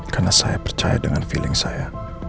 karena saya percaya dengan feeling saya